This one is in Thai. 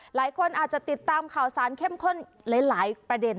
หลายคนอาจจะติดตามข่าวสารเข้มข้นหลายประเด็น